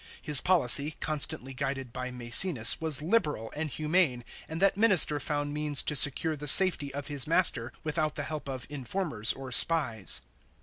His policy, constantly guided by Mascenas, was liberal and humane, and that minister found means to secure the safety of his master without the help of informers or spies.